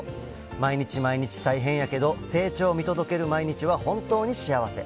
毎日毎日大変やけど、成長を見届ける毎日は本当に幸せ。